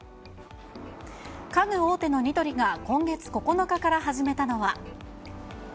家具大手のニトリが今月９日から始めたのは。